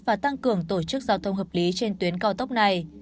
và tăng cường tổ chức giao thông hợp lý trên tuyến cao tốc này